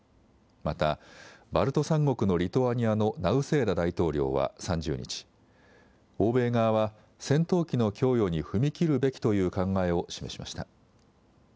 また、バルト三国のリトアニアのナウセーダ大統領は、３０日、欧米側は戦闘機の供与に踏み切るべきという考えを示しました。